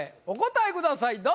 お答えください